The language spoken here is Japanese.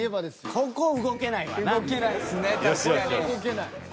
これは動けない。